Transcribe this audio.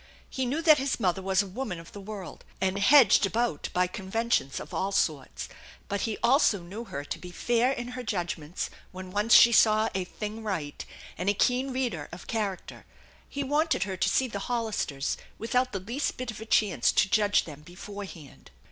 He knew that his mother was a woman of the world, and hedged about by conventions of all sorts, but he also knew her to be fair in her judgments when once she saw a thing right, and a keen reader of character. He wanted her to see the Hollisters without the least bit of a chance to judge them beforehand.